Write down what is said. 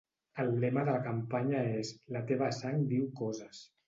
El lema de la campanya és La teva sang diu coses.